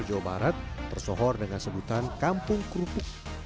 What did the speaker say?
di kampung barat persohor dengan sebutan kampung kerupuk